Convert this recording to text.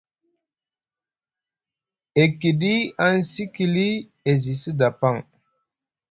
E kiɗi e cikili, e zi sda paŋ.